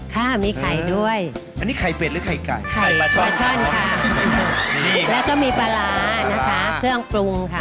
ค่ะมีไข่ด้วยอันนี้ไข่เป็ดหรือไข่ไก่ไข่ปลาช่อนปลาช่อนค่ะแล้วก็มีปลาร้านะคะเครื่องปรุงค่ะ